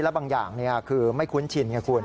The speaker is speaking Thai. และบางอย่างคือไม่คุ้นชินไงคุณ